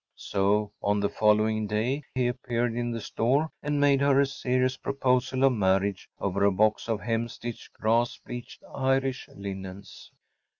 So, on the following day, he appeared in the store and made her a serious proposal of marriage over a box of hem stitched, grass bleached Irish linens.